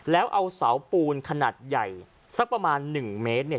แล้วเอาเสาปูนขนาดใหญ่สักประมาณ๑เมตรเนี่ย